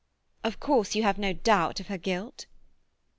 "Of course you have no doubt of her guilt?"